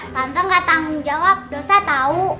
tante gak tanggung jawab dosa tau